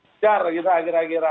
sejarah kita kira kira